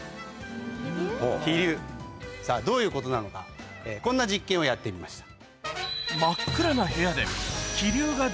さぁどういうことなのかこんな実験をやってみました。